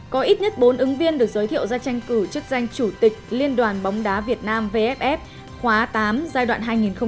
có ít nhất bốn ứng viên được giới thiệu ra tranh cử chức danh chủ tịch liên đoàn bóng đá việt nam vff khóa tám giai đoạn hai nghìn một mươi tám hai nghìn hai mươi